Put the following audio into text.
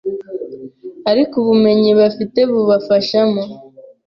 ariko ubumenyi bafite bubafashamo